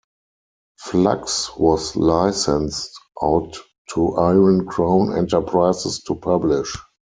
Fluxx was licensed out to Iron Crown Enterprises to publish.